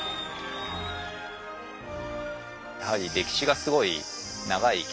やはり歴史がすごい長い生き物でね。